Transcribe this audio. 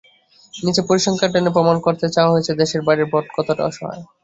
নিচে পরিসংখ্যান টেনে প্রমাণ করতে চাওয়া হয়েছে দেশের বাইরে ব্রড কতটা অসহায়।